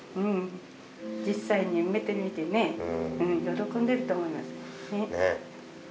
実際に見てみてね喜んでると思います。